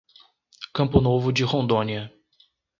Campo Novo de Rondônia